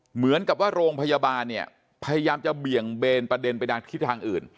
เหมือนกับว่าโรงพยาบาลเนี่ยพยายามจะเบี่ยงเบนประเด็นไปทางทิศทางอื่น